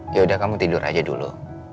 ya udah kamu tidur aja dulu